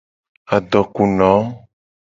Adoku no.